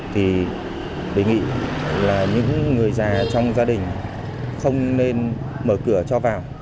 thì đề nghị là những người già trong gia đình không nên mở cửa cho vào